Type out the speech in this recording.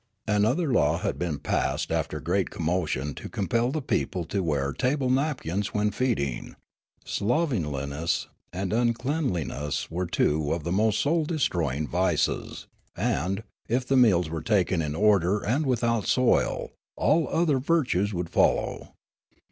Another law had been passed after great commotion to compel the people to wear table napkins when feed ing ; slovenliness and uncleanliness were two of the most soul destroying vices ; and, if the meals were taken in order and without soil, all other virtues would follow.